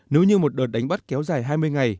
nếu như một đợt đánh bắt kéo dài hai mươi ngày